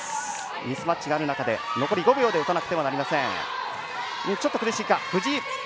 ミスマッチがある中で残り５秒で打たなくてはなりません。